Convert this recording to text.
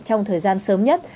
trong thời gian sớm nhất